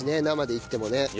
生でいってもね。